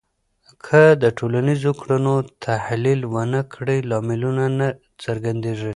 که د ټولنیزو کړنو تحلیل ونه کړې، لاملونه نه څرګندېږي.